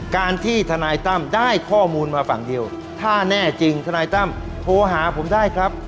การที่ทนายตั้มได้ข้อมูลมาฝั่งเดียวถ้าแน่จริงทนายตั้มโทรหาผมได้ครับ